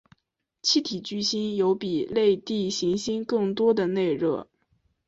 气体巨星有比类地行星更多的内热。